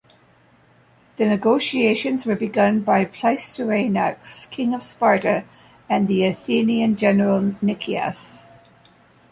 The negotiations were begun by Pleistoanax, King of Sparta, and the Athenian general Nicias.